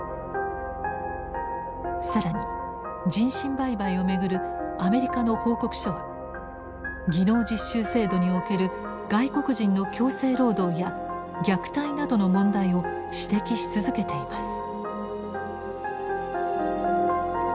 更に人身売買を巡るアメリカの報告書は技能実習制度における外国人の強制労働や虐待などの問題を指摘し続けています。